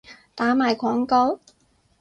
打埋廣告？